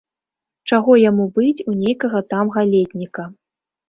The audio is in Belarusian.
Чаго яму быць у нейкага там галетніка?